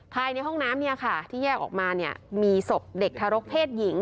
ภายในห้องน้ำเนี่ยค่ะที่แยกออกมาเนี่ยมีศพเด็กทารกเพศหญิง